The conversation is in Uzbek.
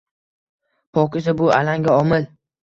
Pokiza bu alanga omil